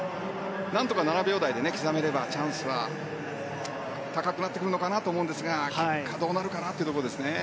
何とか７秒台で刻めればチャンスは高くなってくるのかなと思いますが結果、どうなるかなというところですね。